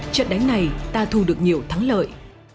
trận đánh này ta thu được nhiều thắng lợi